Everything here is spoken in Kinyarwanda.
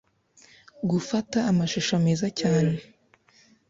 gufata amashusho meza cyane.